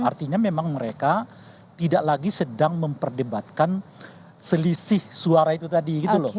artinya memang mereka tidak lagi sedang memperdebatkan selisih suara itu tadi gitu loh